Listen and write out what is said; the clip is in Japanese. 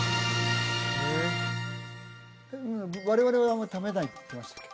我々はあんまり食べないって言ってましたっけ？